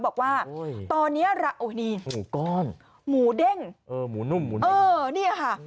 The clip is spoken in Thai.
บอกว่าตอนนี้หมูก้อนหมูเด้งเออหมูนุ่มหมูนุ่มเออเนี่ยค่ะ